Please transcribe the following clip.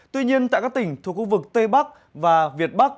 tuy nhiên tại các tỉnh thuộc khu vực tây bắc và việt bắc